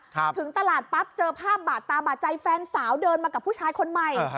ถึงตลาดปั๊บเจอภาพบาดตาบาดใจแฟนสาวเดินมากับผู้ชายคนใหม่